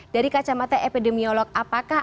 dari kacamata epidemiolog apakah